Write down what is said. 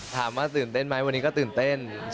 ถามว่าตื่นเต้นไหมวันนี้ก็ตื่นเต้น